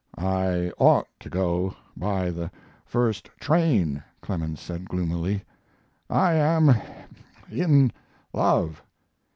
"I ought to go by the first train," Clemens said, gloomily. "I am in love."